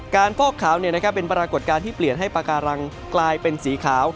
ฟอกขาวเป็นปรากฏการณ์ที่เปลี่ยนให้ปากการังกลายเป็นสีขาว